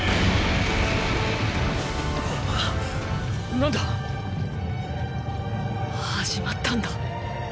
何だ⁉始まったんだ。